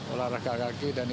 olahraga kaki dan ini